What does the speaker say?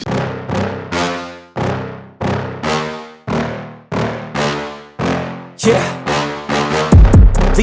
sampai jumpa lalu